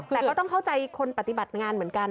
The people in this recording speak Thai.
แต่ก็ต้องเข้าใจคนปฏิบัติงานเหมือนกัน